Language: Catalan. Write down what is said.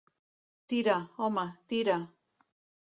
Tira, home, tira!